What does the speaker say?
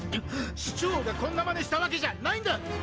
市長がこんなマネしたわけじゃないんだ！